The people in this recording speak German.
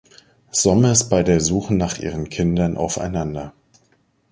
Sommers bei der Suche nach ihren Kindern aufeinander.